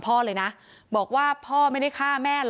เพราะว่าแม่เป็นคนที่ติดเหล้ามา